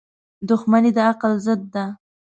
• دښمني د عقل ضد ده.